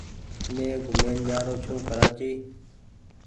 مين گھومين جآ رو ڇون ڪرآچي ۔